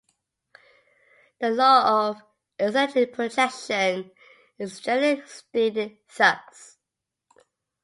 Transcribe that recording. The law of eccentric projection is generally stated thus.